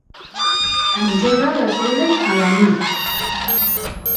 Engega la tele a la nit.